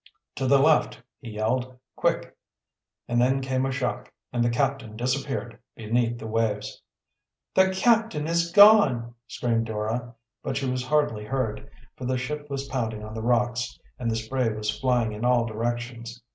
"To the left!" he yelled. "Quick!" And then came a shock, and the captain disappeared beneath the waves. "The captain is gone!" screamed Dora, but she was hardly heard, for the ship was pounding on the rocks, and the spray was flying in all directions.